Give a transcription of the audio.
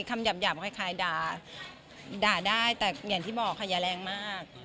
หยาบคล้ายด่าได้แต่อย่างที่บอกค่ะอย่าแรงมาก